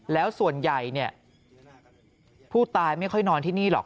แล้วส่วนใหญ่ผู้ตายไม่ค่อยนอนที่นี่หรอก